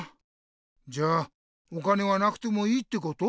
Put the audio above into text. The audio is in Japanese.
じゃあお金はなくてもいいってこと？